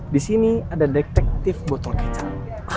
disini ada detektif botol kecap